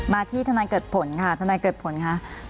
มาที่ธนายเกิดผลค่ะ